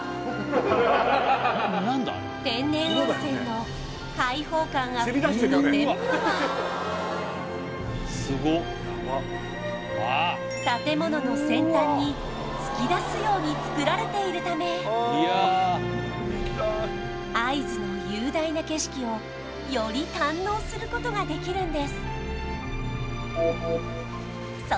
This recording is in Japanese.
天然温泉の開放感あふれる露天風呂は建物の先端に突き出すように造られているため会津の雄大な景色をより堪能することができるんです